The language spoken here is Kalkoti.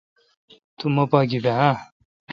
تو مہ پاگیبہ اہ؟